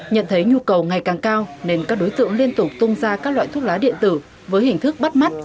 nhận thấy nhu cầu ngày càng cao nên các đối tượng liên tục tung ra các loại thuốc lá điện tử với hình thức bắt mắt